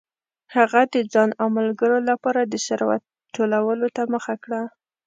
هغه د ځان او ملګرو لپاره د ثروت ټولولو ته مخه کړه.